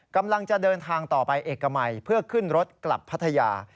กำลังจะเดินทางต่อไปเอกมัยเพื่อขึ้นรถกลับพัทยา